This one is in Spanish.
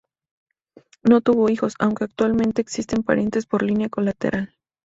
No tuvo hijos, aunque actualmente existen parientes por línea colateral.